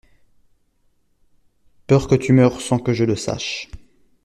Peur que tu meures sans que je le sache.